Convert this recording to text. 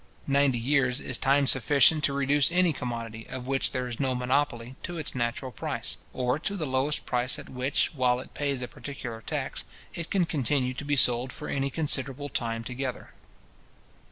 Ninety years is time sufficient to reduce any commodity, of which there is no monopoly, to its natural price, or to the lowest price at which, while it pays a particular tax, it can continue to be sold for any considerable time together.